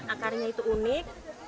akarnya itu unik